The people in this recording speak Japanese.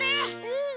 うん。